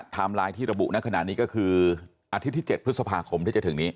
ไลน์ที่ระบุในขณะนี้ก็คืออาทิตย์ที่๗พฤษภาคมที่จะถึงนี้